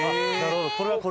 なるほど。